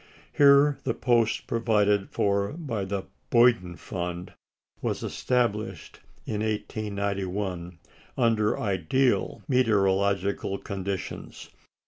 Here the post provided for by the "Boyden Fund" was established in 1891, under ideal meteorological conditions.